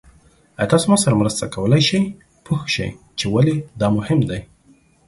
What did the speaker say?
ایا تاسو ما سره مرسته کولی شئ پوه شئ چې ولې دا مهم دی؟